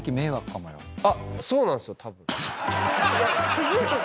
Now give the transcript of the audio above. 気付いてる⁉